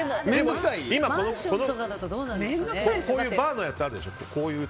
こういうバーのやつあるでしょ。